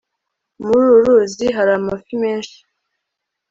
muri uru ruzi hari amafi menshi